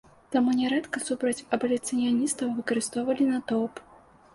Таму нярэдка супраць абаліцыяністаў выкарыстоўвалі натоўп.